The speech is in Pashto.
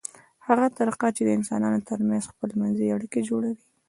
هغه طریقه چې د انسانانو ترمنځ خپلمنځي اړیکې جوړوي